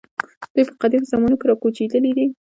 دوی په قدیمو زمانو کې راکوچېدلي دي.